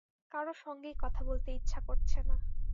কারও সঙ্গেই কথা বলতে ইচ্ছা করছে না।